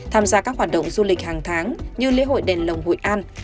tham gia các hoạt động du lịch hàng tháng như lễ hội đền lồng hội an